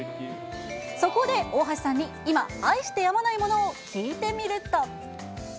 そこで大橋さんに、今、愛してやまないものを聞いてみると。